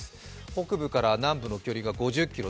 北部から南部の距離が５０ｋｍ。